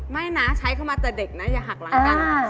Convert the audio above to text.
ไม่นะใช้เข้ามาแต่เด็กนะอย่าหักหลังกัน